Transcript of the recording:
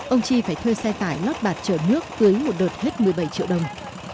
ông chi phải thuê xe tải lót bạc chở nước tưới một đợt hết một mươi bảy triệu đồng